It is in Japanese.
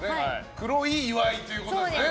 黒い岩井ってことですね。